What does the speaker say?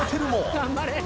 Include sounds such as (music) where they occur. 頑張れ (laughs)